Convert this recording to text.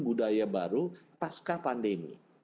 budaya baru pasca pandemi